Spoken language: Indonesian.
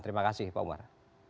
terima kasih pak umar